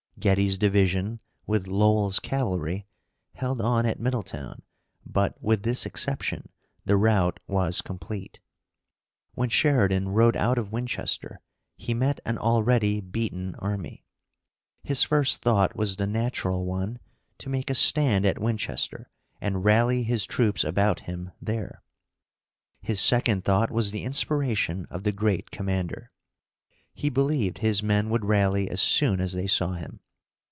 Getty's division with Lowell's cavalry held on at Middletown, but, with this exception, the rout was complete. When Sheridan rode out of Winchester, he met an already beaten army. His first thought was the natural one to make a stand at Winchester and rally his troops about him there. His second thought was the inspiration of the great commander. He believed his men would rally as soon as they saw him.